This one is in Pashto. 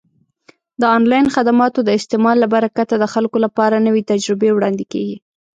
د آنلاین خدماتو د استعمال له برکته د خلکو لپاره نوې تجربې وړاندې کیږي.